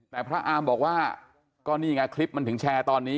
แต่พระอาร์มบอกว่าก็นี่ไงคลิปมันถึงแชร์ตอนนี้